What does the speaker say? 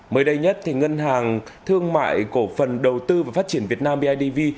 mới đây nhất ngân hàng thương mại cổ phần đầu tư và phát triển việt nam bidv